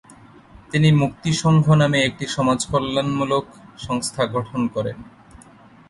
তিনি ‘মুক্তি সংঘ’ নামে একটি সমাজকল্যাণমূলক সংস্থা গঠন করেন।